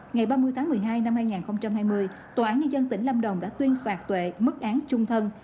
ngày ba mươi tháng một mươi hai năm hai nghìn hai mươi tòa án nhân dân tỉnh lâm đồng đã tuyên phạt tuệ mức án trung thân